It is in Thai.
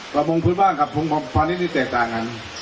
ประพงภุตบ้านกับภพพาณิชย์ที่แตกต่างกัน